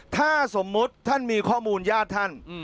ถ้าสมมุติท่านมีข้อมูลญาติท่าน